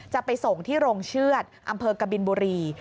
จะไปส่งที่โรงเชือดอำเภอกบินบุรี